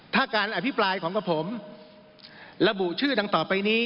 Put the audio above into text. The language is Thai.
ถ้าการอภิปรายของกับผมระบุชื่อดังต่อไปนี้